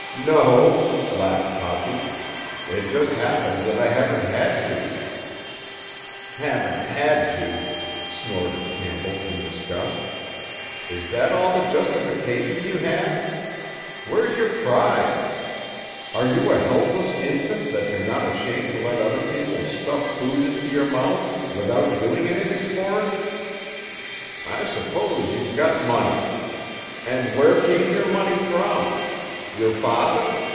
"No," laughed Toppy, "it just happens that I haven't had to." "'Haven't had to!'" snorted Campbell in disgust. "Is that all the justification you have? Where's your pride? Are you a helpless infant that you're not ashamed to let other people stuff food into your mouth without doing anything for it? I suppose you've got money. And where came your money from? Your father?